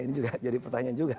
ini juga jadi pertanyaan juga